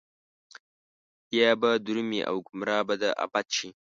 بيا به درومي او ګمراه به د ابد شي